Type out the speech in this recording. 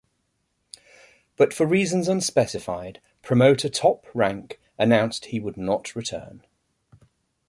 But for reasons unspecified, promoter Top Rank announced he would not return.